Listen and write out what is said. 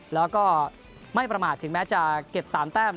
แล้วก็ไม่ประมาทถึงแม้จะเก็บ๓แต้ม